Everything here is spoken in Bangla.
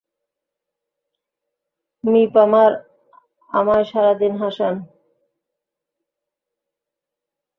মি পামার আমায় সারাদিন হাসান।